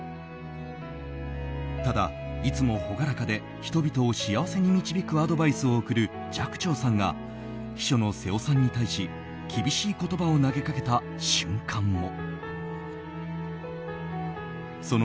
ただ、いつも朗らかで人々を幸せに導くアドバイスを送る寂聴さんが秘書の瀬尾さんに対し厳しい言葉を投げかけた瞬間も。